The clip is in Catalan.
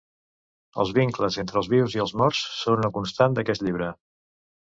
Els vincles entre els vius i els morts són una constant d’aquest llibre.